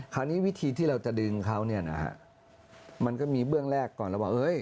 คราวนี้วิธีที่เราจะดึงเขาเนี่ยนะฮะมันก็มีเบื้องแรกก่อนแล้วว่า